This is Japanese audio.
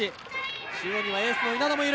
中央にはエースの稲田もいる。